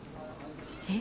え？